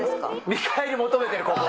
見返り求めてる、ここ。